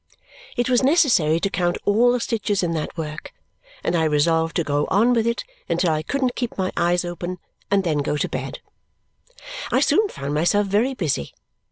It was necessary to count all the stitches in that work, and I resolved to go on with it until I couldn't keep my eyes open, and then to go to bed. I soon found myself very busy.